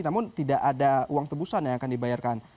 namun tidak ada uang tebusan yang akan dibayarkan